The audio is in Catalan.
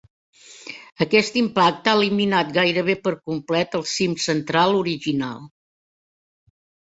Aquest impacte ha eliminat gairebé per complet el cim central original.